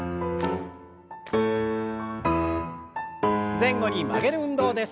前後に曲げる運動です。